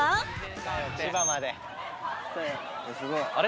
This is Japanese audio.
あれ？